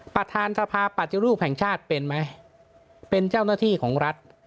ประธานสภาปฏิรูปแห่งชาติเป็นไหมเป็นเจ้าหน้าที่ของรัฐ